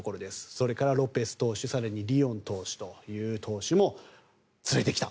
それからロペス投手更にリオン投手も連れてきた。